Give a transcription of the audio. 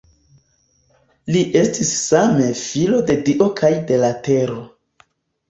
Li estis same filo de dio kaj de la tero.